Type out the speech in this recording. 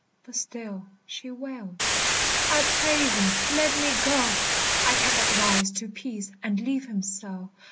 But still she wailed, "I pray thee, let me go! I cannot rise to peace and leave him so.